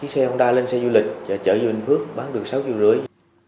xe honda lên xe du lịch và chở vô bình phước bán được sáu triệu rưỡi